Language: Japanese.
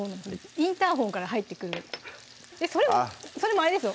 インターホンから入ってくるそれもあれですよ